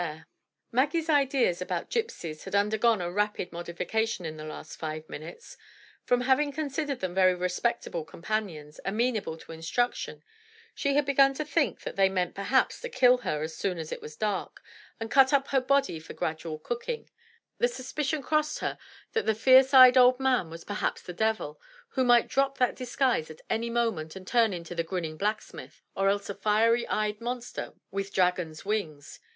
246 THE TREASURE CHEST Maggie's ideas about gypsies had undergone a rapid modi fication in the last five minutes. From having considered them very respectable companions, amenable to instruction, she had begun to think that they meant perhaps to kill her as soon as it was dark, and cut up her body for gradual cooking; the suspicion crossed her that the fierce eyed old man was perhaps the devil, who might drop that disguise at any moment and turn into the grinning blacksmith, or else a fiery eyed monster with dragon's wings.